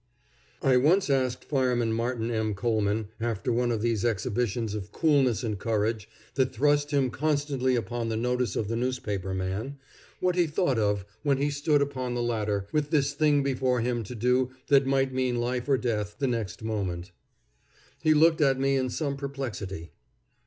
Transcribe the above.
I once asked Fireman Martin M. Coleman, after one of those exhibitions of coolness and courage that thrust him constantly upon the notice of the newspaper man, what he thought of when he stood upon the ladder, with this thing before him to do that might mean life or death the next moment. He looked at me in some perplexity.